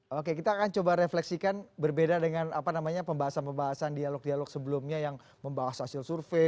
oke kita akan coba refleksikan berbeda dengan apa namanya pembahasan pembahasan dialog dialog sebelumnya yang membahas hasil survei